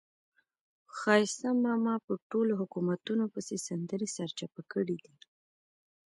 ښایسته ماما په ټولو حکومتونو پسې سندرې سرچپه کړې دي.